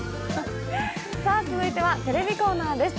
続いてはテレビコーナーです。